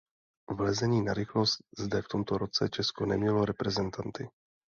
V lezení na rychlost zde v tomto roce Česko nemělo reprezentanty.